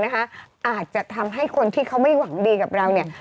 อาจจะทำให้คนที่เขาไม่หวังดีกับเราเนี่ย